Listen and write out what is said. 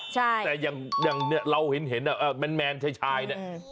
แต่อย่างเนี่ยเราเห็นแมนชายเนี่ย